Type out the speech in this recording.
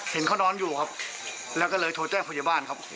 เห็นเขานอนอยู่ครับแล้วก็เลยโทรแจ้งพยาบาลครับ